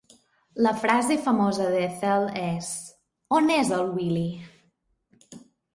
La frase famosa d'Ethel és: "On és el Willy?".